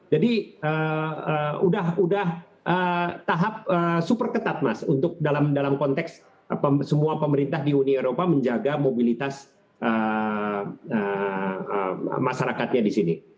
jadi sudah tahap super ketat mas untuk dalam konteks semua pemerintah di uni eropa menjaga mobilitas masyarakatnya di sini